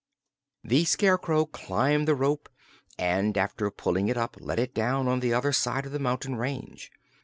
The Scarecrow climbed the rope and, after pulling it up, let it down on the other side of the mountain range.